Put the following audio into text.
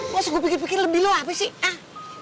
masa gue pikir pikir lebih lo apa sih